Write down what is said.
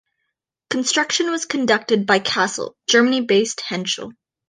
Construction was conducted by Kassel, Germany-based Henschel.